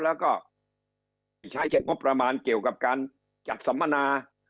แล้วก็ใช้จากงบประมาณเกี่ยวกับการจัดสัมมนา